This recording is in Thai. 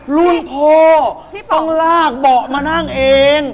รุ่นพ่อที่ต้องลากเบาะมานั่งเอง